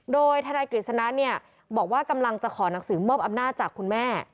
โดยทนกริศนาบอกว่ากำลังจะขอหนักสือมอบอำนาจจากคุณแม่